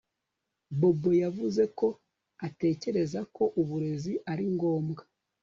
Bobo yavuze ko atekereza ko uburezi ari ngombwa